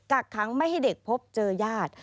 กักค้างไม่ให้เด็กพบเจอยาด